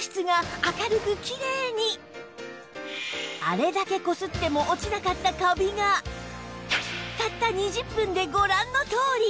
あれだけこすっても落ちなかったカビがたった２０分でご覧のとおり